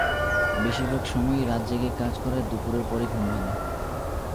বেশির ভাগ সময়ই রাত জেগে কাজ করায় দুপুরের পরই ঘুম ভাঙে।